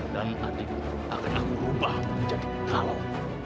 dan artiku akan aku ubahmu menjadi kau